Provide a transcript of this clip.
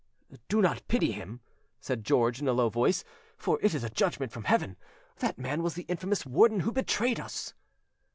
"Do not pity him," said George in a low voice, "for it is a judgment from heaven. That man was the infamous Warden who betrayed us."